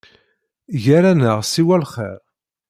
Gar-aneɣ siwa lxir.